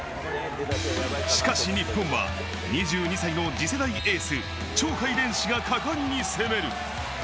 しかし日本は２２歳の次世代エース・鳥海連志が果敢に攻める。